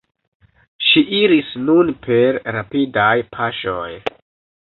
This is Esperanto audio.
Ŝi iris nun per rapidaj paŝoj.